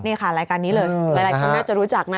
นี่ค่ะรายการนี้เลยหลายคนน่าจะรู้จักนะ